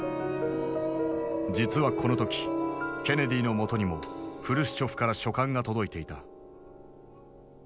実はこの時ケネディの元にもフルシチョフから書簡が届いていた。